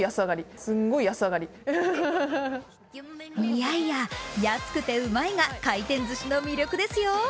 いやいや、安くてうまいが回転ずしの魅力ですよ。